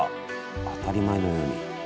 当たり前のように。